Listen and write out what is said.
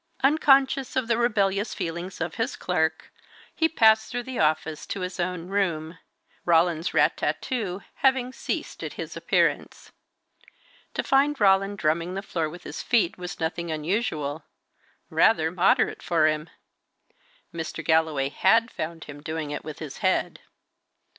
Unconscious of the rebellious feelings of his clerk, he passed through the office to his own room, Roland's rat tat to having ceased at his appearance. To find Roland drumming the floor with his feet was nothing unusual rather moderate for him; Mr. Galloway had found him doing it with his head.